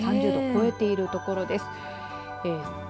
３０度超えている所です。